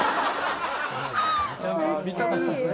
見た目ですね。